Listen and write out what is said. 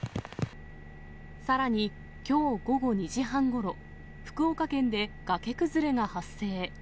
さらに、きょう午後２時半ごろ、福岡県でがけ崩れが発生。